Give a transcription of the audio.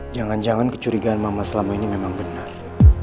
jangan jangan kecurigaan mama selama ini memang benar